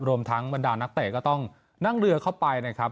รวมทั้งบรรดานักเตะก็ต้องนั่งเรือเข้าไปนะครับ